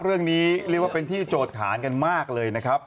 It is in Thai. รู้ว่าเป็นที่โจทย์ฐานกันมากเลยนะครับ